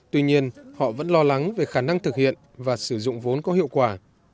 tuy nhiên họ vẫn lo lắng về khả năng thực hiện và sử dụng vốn có hiệu quả